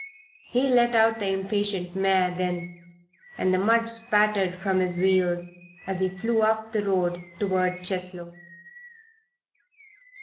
He let out the impatient mare then, and the mud spattered from his wheels as he flew up the road toward Cheslow.